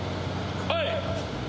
はい。